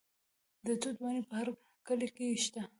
د توت ونې په هر کلي کې شته.